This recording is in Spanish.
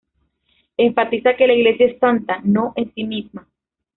Enfatiza que la Iglesia es santa, no en sí misma.